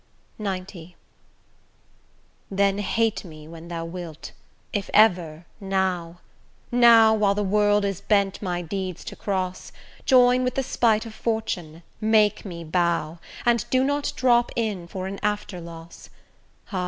XC Then hate me when thou wilt; if ever, now; Now, while the world is bent my deeds to cross, Join with the spite of fortune, make me bow, And do not drop in for an after loss: Ah!